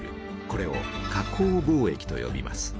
これを加工貿易とよびます。